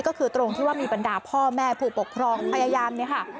ก็คือตรงที่ว่ามีบรรดาพ่อแม่ผู้ปกครองพยายามเนี่ยค่ะ